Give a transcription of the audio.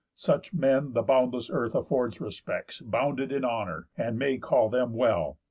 Such men the boundless earth affords respects Bounded in honour, and may call them well.